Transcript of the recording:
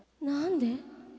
何で？